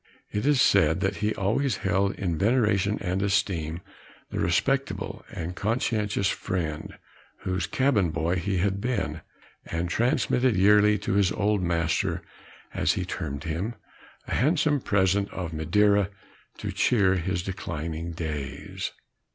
It is said that he always held in veneration and esteem, that respectable and conscientious Friend, whose cabin boy he had been, and transmitted yearly to his OLD MASTER, as he termed him, a handsome present of Madeira, to cheer his declining days.